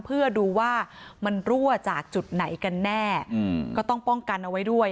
เพื่อดูว่ามันรั่วจากจุดไหนกันแน่ก็ต้องป้องกันเอาไว้ด้วย